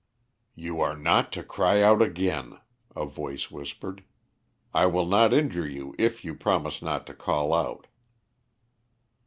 "You are not to cry out again," a voice whispered. "I will not injure you if you promise not to call out."